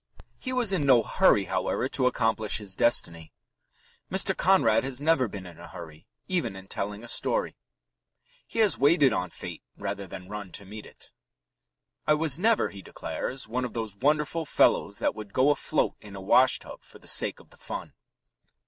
He was in no hurry, however, to accomplish his destiny. Mr. Conrad has never been in a hurry, even in telling a story. He has waited on fate rather than run to meet it. "I was never," he declares, "one of those wonderful fellows that would go afloat in a washtub for the sake of the fun."